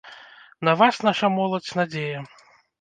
На вас, наша моладзь, надзея!